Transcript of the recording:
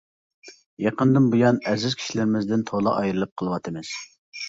يېقىندىن بۇيان ئەزىز كىشىلىرىمىزدىن تولا ئايرىلىپ قېلىۋاتىمىز.